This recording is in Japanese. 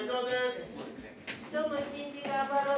今日も一日頑張ろう。